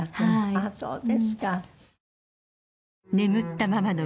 ああそうですか。